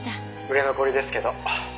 「売れ残りですけど」